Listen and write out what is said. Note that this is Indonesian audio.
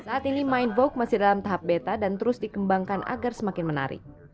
saat ini mindbox masih dalam tahap beta dan terus dikembangkan agar semakin menarik